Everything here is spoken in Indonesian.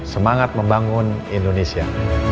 semangat membangun indonesia